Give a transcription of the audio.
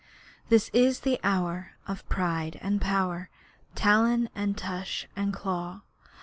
This is the hour of pride and power, Talon and tush and claw.